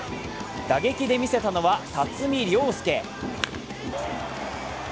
打撃で見せたのは辰己涼介。